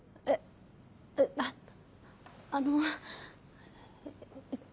えっあの。